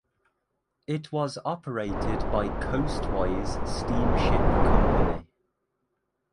It was operated by Coastwise Steam Ship Company.